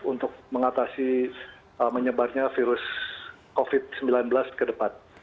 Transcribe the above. untuk mengatasi menyebarnya virus covid sembilan belas ke depan